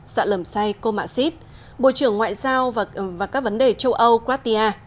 dạ lầm say cô mạ xít bộ trưởng ngoại giao và các vấn đề châu âu cratia